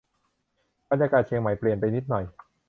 บรรยากาศเชียงใหม่เปลี่ยนไปนิดหน่อย